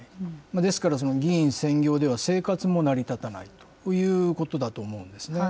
ですから議員専業では生活も成り立たないということだと思うんですね。